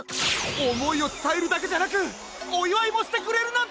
おもいをつたえるだけじゃなくおいわいもしてくれるなんて！